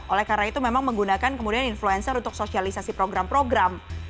oleh karena itu memang menggunakan kemudian influencer untuk sosialisasi program program